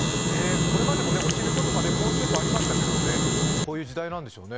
これまでもおしることか、コーンスープありましたけどね、こういう時代なんでしょうね。